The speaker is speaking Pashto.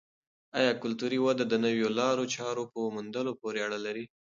آیا کلتوري وده د نویو لارو چارو په موندلو پورې اړه لري؟